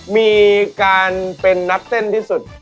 มีการเป็นนักเต้นที่สุด